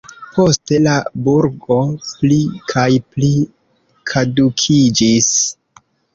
Poste la burgo pli kaj pli kadukiĝis.